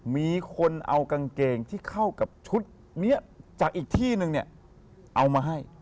มีคนเอากางเกงที่เข้ากับชุดนี้จากอีกที่นึงเนี่ยเอามาให้